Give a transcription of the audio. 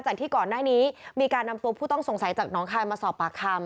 ที่ก่อนหน้านี้มีการนำตัวผู้ต้องสงสัยจากน้องคายมาสอบปากคำ